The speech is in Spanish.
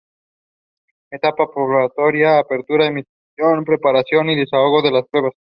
Etapa probatoria; apertura, admisión, preparación y desahogo de las pruebas.